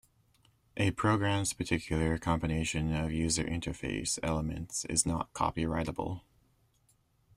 A program's particular combination of user interface elements is not copyrightable.